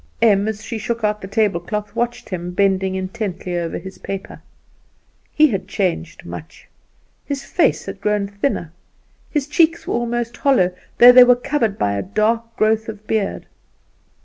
Em, as she shook out the tablecloth, watched him bending intently over his paper. He had changed much. His face had grown thinner; his cheeks were almost hollow, though they were covered by a dark growth of beard.